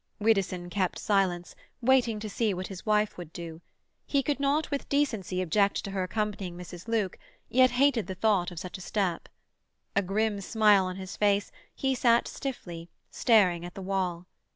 Widdowson kept silence, waiting to see what his wife would do. He could not with decency object to her accompanying Mrs. Luke, yet hated the thought of such a step. A grim smile on his face, he sat stiffly, staring at the wall.